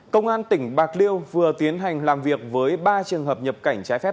công an tỉnh bạc liêu vừa tiến hành làm việc với ba trường hợp nhập cảnh trái phép